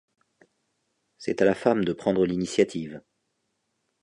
C'est à la femme de prendre l'initiative.